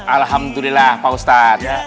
alhamdulillah pak ustaz